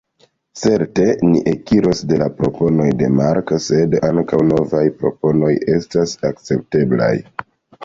Certe ni ekiros de la proponoj de Mark, sed ankaŭ novaj proponoj estas akcepteblaj.